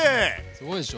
すごいでしょ。